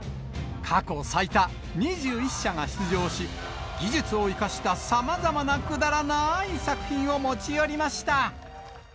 過去最多２１社が出場し、技術を生かしたさまざまなくだらなーい作品を持ち寄りました。